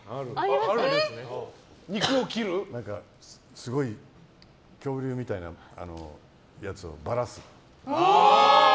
すごい恐竜みたいなやつをバラす。